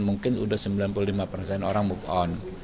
mungkin sudah sembilan puluh lima persen orang move on